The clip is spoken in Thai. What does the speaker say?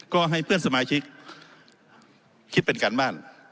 ก็ให้เพื่อนสมาชิกคิดเป็นการบ้าน